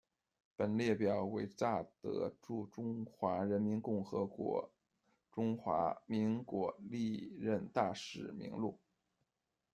本列表为乍得驻中华人民共和国和中华民国历任大使名录。